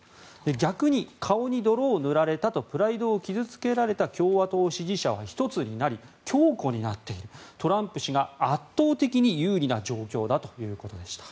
逆に顔に泥を塗られたとプライドを傷付けられた共和党支持者は一つになり強固になっているトランプ氏が圧倒的に有利な状況だということでした。